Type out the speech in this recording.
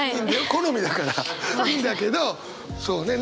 好みだからいいんだけどそうね